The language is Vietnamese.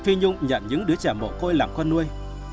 phi nhung nhận những đứa trẻ mồ côi làm con nuôi